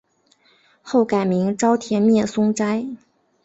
后改名沼田面松斋。